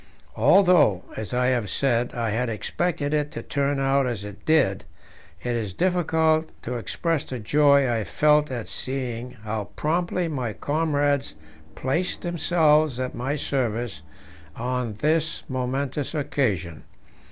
Although, as I have said, I had expected it to turn out as it did, it is difficult to express the joy I felt at seeing how promptly my comrades placed themselves at my service on this momentous occasion.